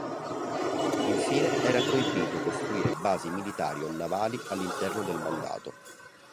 Infine, era proibito costruire basi militari o navali all'interno del Mandato.